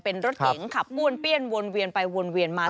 เป็นรถเก๋งขับป้วนเปี้ยนวนเวียนไปวนเวียนมา